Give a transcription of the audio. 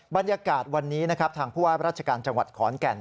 บรรยากาศวันนี้นะครับทางผู้ว่าราชการจังหวัดขอนแก่น